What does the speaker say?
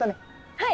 はい！